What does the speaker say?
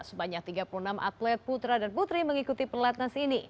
sebanyak tiga puluh enam atlet putra dan putri mengikuti pelatnas ini